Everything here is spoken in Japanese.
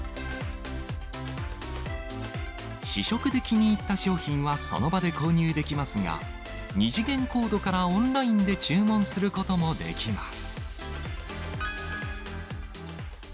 試食で気に入った商品はその場で購入できますが、二次元コードからオンラインで注文することもできます。